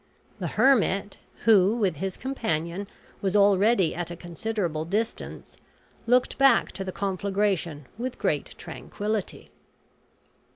The hermit, who, with his companion, was already at a considerable distance, looked back to the conflagration with great tranquillity.